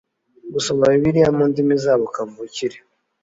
gusoma bibiliya mu ndimi zabo kavukire